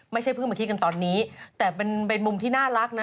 เพิ่งมาคิดกันตอนนี้แต่เป็นมุมที่น่ารักนะ